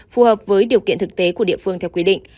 phù hợp với điều kiện thực tế của địa phương theo quy định